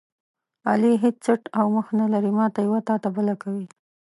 علي هېڅ څټ او مخ نه لري، ماته یوه تاته بله کوي.